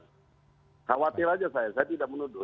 khawatir aja saya saya tidak menuduh